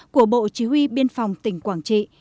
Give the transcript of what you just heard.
của bộ chí huy biên phòng tỉnh quảng trị